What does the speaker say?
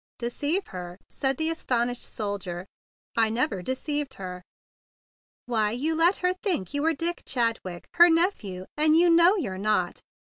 "Deceive her?" said the astonished soldier. "I never deceived her." "Why, you let her think you were Dick Chadwick, her nephew; and you know you're not!